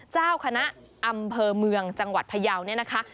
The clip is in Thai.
เจ้าคณะอำเภอเมืองจังหวัดพยาวเนี่ยนะคะ